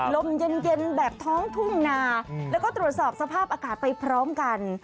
ลมเย็นแบบท้องทุ่งนาแล้วก็ตรวจสอบสภาพอากาศไปพร้อมกัน